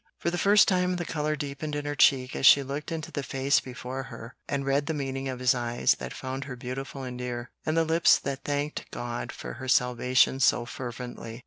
For the first time the color deepened in her cheek as she looked into the face before her and read the meaning of the eyes that found her beautiful and dear, and the lips that thanked God for her salvation so fervently.